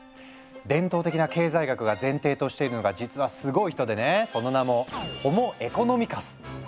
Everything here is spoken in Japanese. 伝統的な経済学が前提としているのが実はすごい人でね。